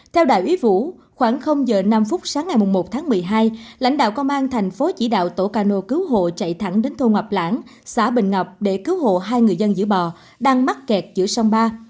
theo đại úy vũ khoảng h năm sáng ngày một tháng một mươi hai lãnh đạo công an thành phố chỉ đạo tổ cano cứu hộ chạy thẳng đến thôn ngọc lãng xã bình ngọc để cứu hộ hai người dân giữ bò đang mắc kẹt giữa sông ba